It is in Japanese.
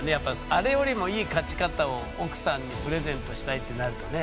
あれよりもいい勝ち方を奥さんにプレゼントしたいってなるとね。